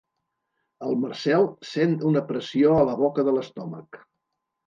El Marcel sent una pressió a la boca de l'estómac.